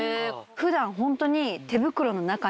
普段ホントに。